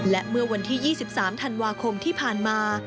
และเมื่อวันที่๒๓ธันวาคมที่ผ่านมา